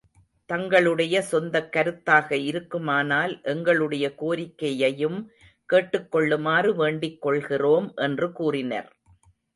தங்களுடைய சொந்தக் கருத்தாக இருக்குமானால், எங்களுடைய கோரிக்கையையும் கேட்டுக் கொள்ளுமாறு வேண்டிக் கொள்கிறோம், என்று கூறினர்.